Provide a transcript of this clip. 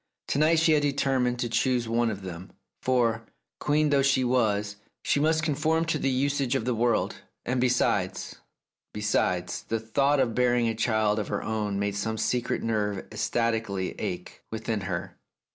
To night she had determined to choose one of them, for, queen though she was, she must conform to the 275 The Tragedy of Oliver Bowman usage of the world, and besides — besides, the thought of bearing a child of her own made some secret nerve ecstatically ache within her.